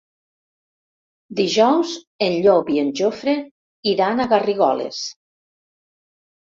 Dijous en Llop i en Jofre iran a Garrigoles.